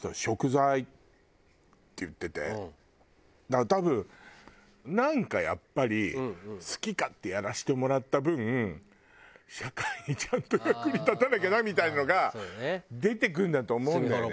だから多分なんかやっぱり好き勝手やらせてもらった分社会にちゃんと役に立たなきゃなみたいなのが出てくるんだと思うんだよね。